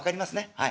はい。